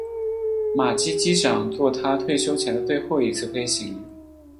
马基机长作他退休前的最后一次飞行。